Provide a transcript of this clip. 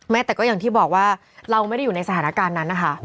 แต่ก็อย่างที่บอกว่าเราไม่ได้อยู่ในสถานการณ์นั้นนะคะ